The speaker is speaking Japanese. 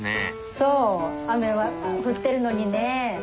そう雨は降ってるのにね。